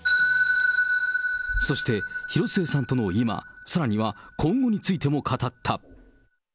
そして、広末さんとの今、さらには今後についても語った。